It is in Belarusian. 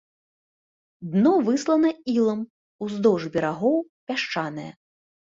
Дно выслана ілам, уздоўж берагоў пясчанае.